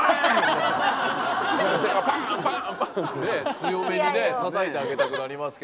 強めにねたたいてあげたくなりますけど。